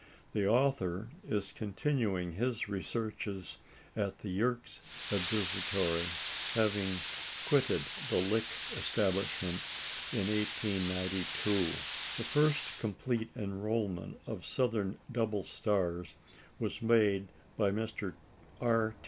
The author is continuing his researches at the Yerkes Observatory, having quitted the Lick establishment in 1892. The first complete enrolment of southern double stars was made by Mr. R.